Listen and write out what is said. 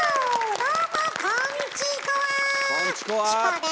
どうもこんチコは！